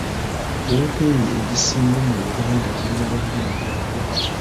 Wooteeri ezisinga mu Uganda zirina bamaneja abalungi